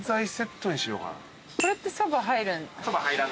これってそば入る？